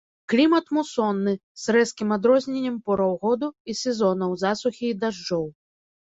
Клімат мусонны, з рэзкім адрозненнем пораў году і сезонаў засухі і дажджоў.